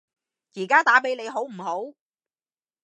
而家打畀你好唔好？